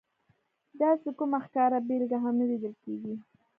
داسې کومه ښکاره بېلګه هم نه لیدل کېږي.